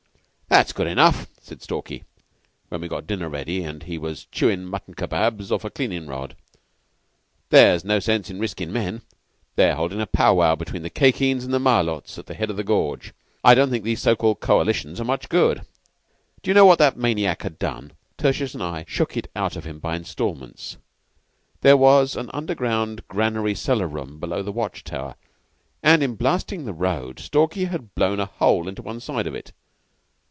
"'That's good enough,' said Stalky when we got dinner ready and he was chewin' mutton kababs off a cleanin' rod. 'There's no sense riskin' men. They're holding a pow wow between the Khye Kheens and the Malôts at the head of the gorge. I don't think these so called coalitions are much good.' "Do you know what that maniac had done? Tertius and I shook it out of him by instalments. There was an underground granary cellar room below the watch tower, and in blasting the road Stalky had blown a hole into one side of it.